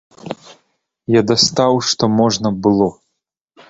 Я дастаў што можна было.